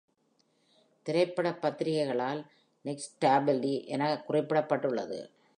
திரைப்பட பத்திரிகைகளால் "next Dolby" எனக் குறிக்கப்பட்டுள்ளது.